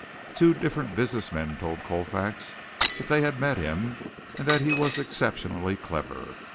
Two different business men told Colfax that they had met him and that he was exceptionally clever.